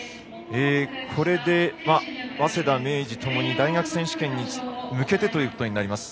これで早稲田、明治ともに大学選手権に向けてということになります。